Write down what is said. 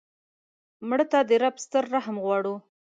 مړه ته د رب ستر رحم غواړو